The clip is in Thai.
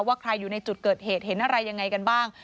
ว่าใครอยู่ในจุดเกิดเหตุเห็นอะไรยังไงกันบ้าง